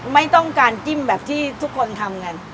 ไม่ต้องการจิ้มแบบที่ทุกคนทำกัน